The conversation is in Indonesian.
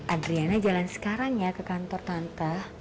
adriana jalan sekarang ya ke kantor tante